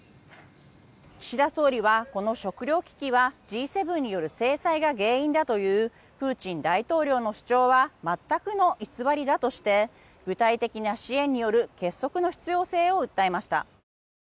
岸田総理はこの食料危機はＧ７による制裁が原因だというプーチン大統領の主張は全くの偽りだとして具体的な支援による結束の必要性を訴えました。